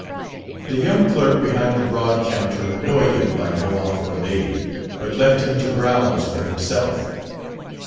The young clerk behind the broad counter annoyed him by no offer of aid, but left him to browse for himself.